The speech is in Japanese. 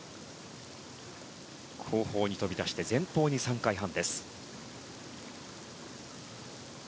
後方に飛び出して前方に３回半。